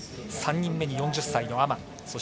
３人目に４０歳のアマン。